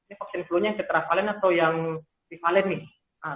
ini vaksin flu nya tetrafalin atau yang rifalin nih